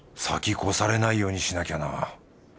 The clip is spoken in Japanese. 越されないようにしなきゃな。